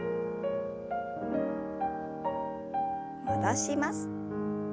戻します。